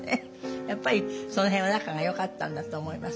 やっぱりその辺は仲がよかったんだと思います。